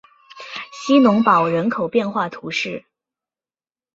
希农堡人口变化图示